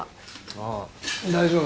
ああ大丈夫だ。